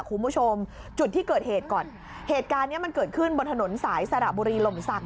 คุณผู้ชมจุดที่เกิดเหตุก่อนเหตุการณ์เนี้ยมันเกิดขึ้นบนถนนสายสระบุรีลมศักดิ